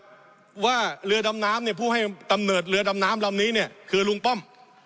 เพราะว่าเรือดำน้ำเนี่ยผู้ให้กำเนิดเรือดำน้ำลำนี้เนี่ยคือลุงป้อม